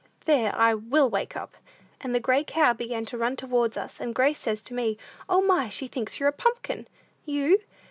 (There, I will wake up!) And the gray cow began to run towards us, and Grace says to me, 'O, my, she thinks you're a pumpkin!'" "You?"